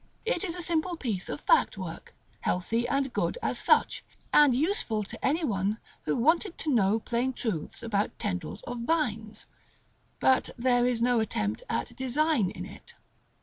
It is a simple piece of fact work, healthy and good as such, and useful to any one who wanted to know plain truths about tendrils of vines, but there is no attempt at design in it.